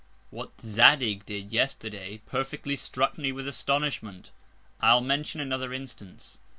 What Zadig did Yesterday perfectly struck me with Astonishment. I'll mention another Instance.